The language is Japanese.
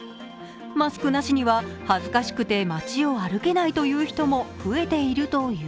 マスクなしには恥ずかしくて町を歩けないという人も増えているという。